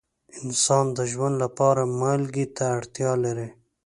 انسان د ژوند لپاره مالګې ته اړتیا لري.